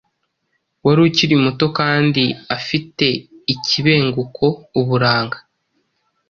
wari ukiri muto kandi afite ikibenguko uburanga